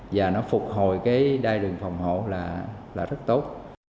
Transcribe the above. và phục hồi cái đai đường phòng hộ là rất tốt